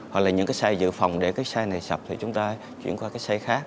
hoặc là những cái xe dự phòng để cái xe này sập thì chúng ta chuyển qua cái xe khác